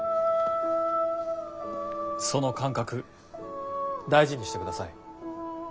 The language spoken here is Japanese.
その感覚大事にしてください。